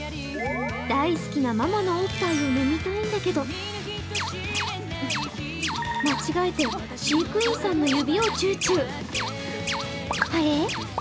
大好きなママのおっぱいを飲みたいんだけど間違えて飼育員さんの指をチューチュー。